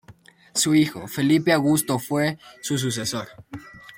Su hijo Felipe Augusto fue su sucesor.